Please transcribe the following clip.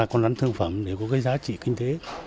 con ăn thương phẩm để có cái giá trị kinh tế